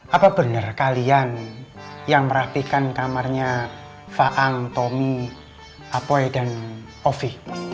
apa benar kalian yang merapikan kamarnya faang tommy apoy dan ovi